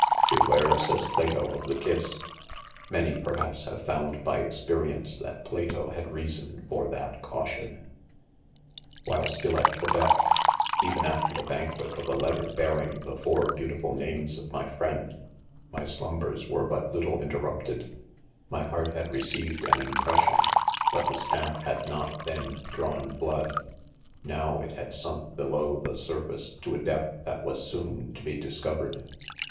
'"Beware," says Plato, " of the kiss."— Many, perhaps, have found by experience that Plato had reason for that caution 'While still at Quebec, even after the ban quet of a letter bearing the ' four beautiful names of my friend, my slumbers were but lit tle interrupted My heart had received an impression, but the stamp had not, then, drawn Wood. Now, it had sunk., below the surface to a depth that was soon to be discovered.